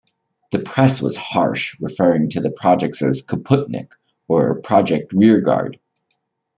The press was harsh, referring to the project as "Kaputnik" or "Project Rearguard".